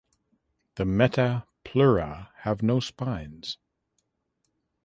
The meta pleura have no spines.